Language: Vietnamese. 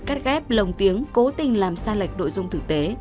cắt ghép lồng tiếng cố tình làm sai lệch nội dung thực tế